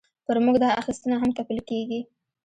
پر موږ دا اخیستنه هم تپل کېږي.